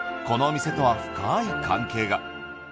このお店とは深い関係が。